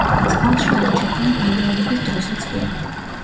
წყალში არ ჩადიან გამრავლების დროსაც კი.